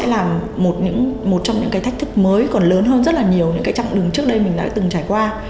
là một trong những cái thách thức mới còn lớn hơn rất là nhiều những cái chặng đường trước đây mình đã từng trải qua